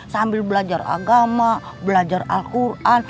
sambil belajar agama belajar al quran